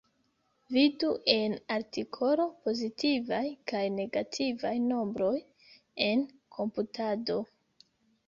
Vidu en artikolo pozitivaj kaj negativaj nombroj en komputado.